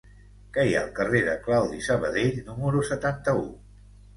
Què hi ha al carrer de Claudi Sabadell número setanta-u?